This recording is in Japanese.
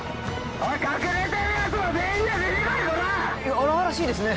荒々しいですね。